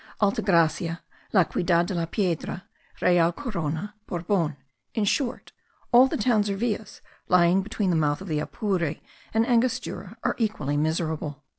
Alta Gracia, la Ciudad de la Piedra, Real Corona, Borbon, in short all the towns or villas lying between the mouth of the Apure and Angostura, are equally miserable.